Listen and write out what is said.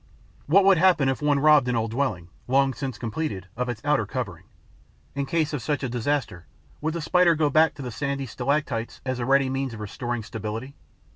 What would happen if one robbed an old dwelling, long since completed, of its outer covering? In case of such a disaster, would the Spider go back to the sandy stalactites, as a ready means of restoring stability?